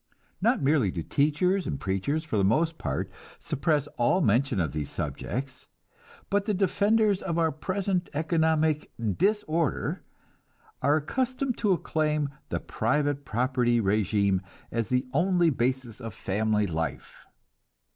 Not merely do teachers and preachers for the most part suppress all mention of these subjects; but the defenders of our present economic disorder are accustomed to acclaim the private property régime as the only basis of family life.